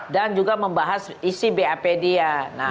dan juga membahas isi bap dia